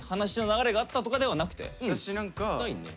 ないね。